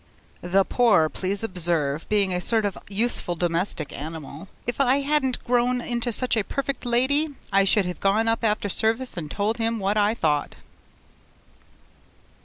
The poor, please observe, being a sort of useful domestic animal. If I hadn't grown into such a perfect lady, I should have gone up after service and told him what I thought.